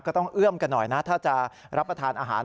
เอื้อมกันหน่อยนะถ้าจะรับประทานอาหาร